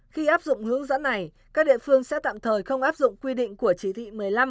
khi áp dụng hướng dẫn này các địa phương sẽ tạm thời không áp dụng quy định của chí thị một mươi năm một mươi sáu một mươi chín